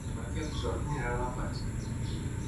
Demà en Quel i en Jordi iran a la platja.